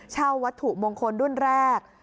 เช่าวัตถุมงคลรุ่นแรก